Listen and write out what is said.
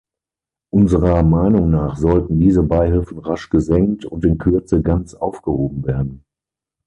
Unserer Meinung nach sollten diese Beihilfen rasch gesenkt und in Kürze ganz aufgehoben werden.